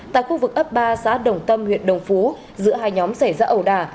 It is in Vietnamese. tại khu vực ấp ba xã đồng tâm huyện đồng phú giữa hai nhóm xảy ra ẩu đà